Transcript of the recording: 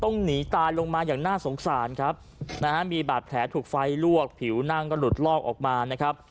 หนีตายลงมาอย่างน่าสงสารครับนะฮะมีบาดแผลถูกไฟลวกผิวนั่งก็หลุดลอกออกมานะครับ